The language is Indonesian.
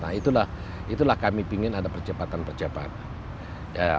nah itulah kami pingin ada percepatan percepatan